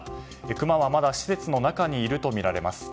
クマは、まだ施設の中にいるとみられます。